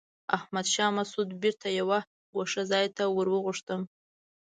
احمد شاه مسعود بېرته یوه ګوښه ځای ته ور وغوښتم.